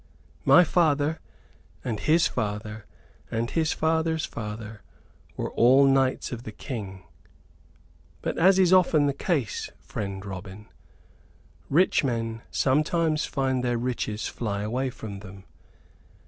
"My father, and his father, and his father's father were all knights of the King; but, as is often the case, friend Robin, rich men sometimes find their riches fly away from them.